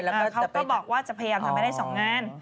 แล้วเขาก็บอกว่าจะพยายามทำให้ได้๒งาน